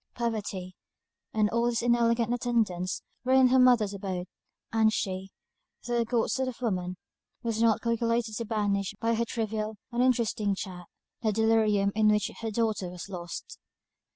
Poverty, and all its inelegant attendants, were in her mother's abode; and she, though a good sort of a woman, was not calculated to banish, by her trivial, uninteresting chat, the delirium in which her daughter was lost.